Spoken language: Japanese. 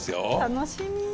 楽しみ。